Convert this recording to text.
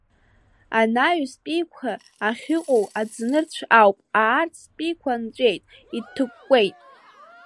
Анаҩстәиқәа ахьыҟоу аӡнырцә ауп, аарцәтәиқәа нҵәеит, иҭыкәкәеит.